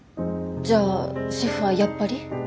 じゃあシェフはやっぱり。